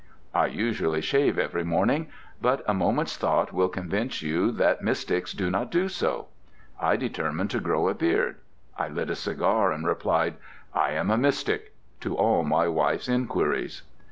I usually shave every morning, but a moment's thought will convince you that mystics do not do so. I determined to grow a beard. I lit a cigar, and replied "I am a mystic" to all my wife's inquiries.